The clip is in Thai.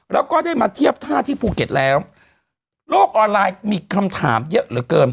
แล้วก็ได้มาเทียบท่าที่ภูเก็ตแล้วโลกออนไลน์มีคำถามเยอะเหลือเกิน